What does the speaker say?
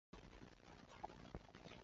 为兄弟四人中长子。